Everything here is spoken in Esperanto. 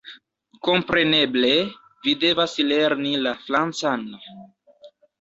Kompreneble, vi devas lerni la francan!